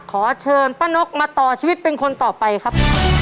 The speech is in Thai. ขอเชิญป้านกมาต่อชีวิตเป็นคนต่อไปครับ